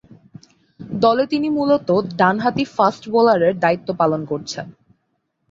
দলে তিনি মূলতঃ ডানহাতি ফাস্ট বোলারের দায়িত্ব পালন করছেন।